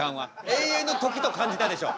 永遠の時と感じたでしょ。